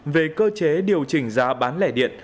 về cơ chế điều chỉnh giá bán lẻ điện